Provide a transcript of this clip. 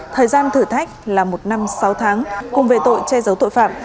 thời gian thử thách là một năm sáu tháng cùng về tội che giấu tội phạm